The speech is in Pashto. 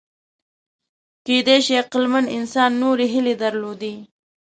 کېدای شي عقلمن انسان نورې هیلې درلودې.